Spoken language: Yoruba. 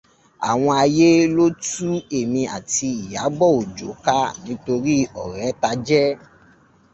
Àwọn ayé ló tú èmi àti Ìyábọ̀ Òjó ká nítorí ọ̀rẹ́ ta jẹ́.